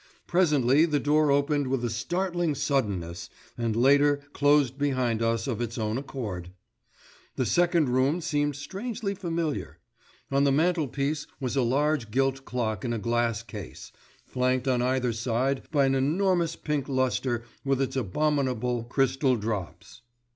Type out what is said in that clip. Presently the door opened with a startling suddenness and later closed behind us of its own accord. The second room seemed strangely familiar. On the mantel piece was a large gilt clock in a glass case, flanked on either side by an enormous pink lustre with its abominable crystal drops.